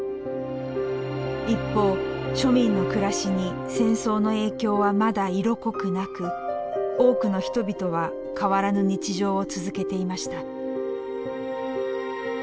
一方庶民の暮らしに戦争の影響はまだ色濃くなく多くの人々は変わらぬ日常を続けていました。